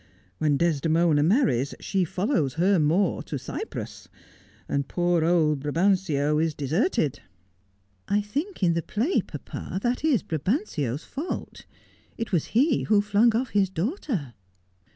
When Desdemona marries, she follows her Moor to Cyprus, and poor old Brabantio is deserted.' ' I think in the play, papa, that is Brabantio's fault. It was he who flunpr off his daughter.'